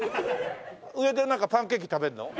上でパンケーキ食べるの？